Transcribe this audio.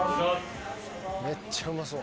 めっちゃうまそう！